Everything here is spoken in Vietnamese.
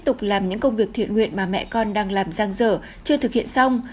tục làm những công việc thiện nguyện mà mẹ con đang làm răng rở chưa thực hiện xong